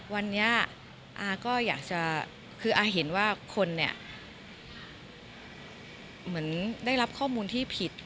วันนี้อาก็อยากจะคืออาเห็นว่าคนเนี่ยเหมือนได้รับข้อมูลที่ผิด